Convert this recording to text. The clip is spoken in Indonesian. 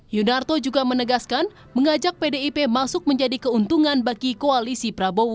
yunarto juga menegaskan mengajak pdip masuk menjadi keuntungan bagi koalisi prabowo